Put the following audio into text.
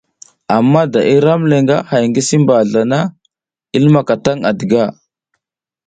Ama da aram le nga hay ngi si mbazla na a lumaka tan à diga.